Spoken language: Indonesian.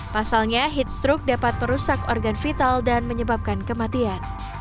pasalnya heat stroke dapat merusak organ vital dan menyebabkan kematian